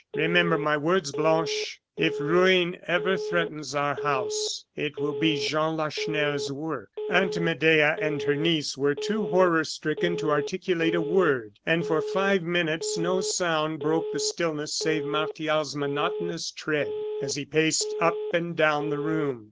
Remember my words, Blanche, if ruin ever threatens our house, it will be Jean Lacheneur's work." Aunt Medea and her niece were too horror stricken to articulate a word, and for five minutes no sound broke the stillness save Martial's monotonous tread, as he paced up and down the room.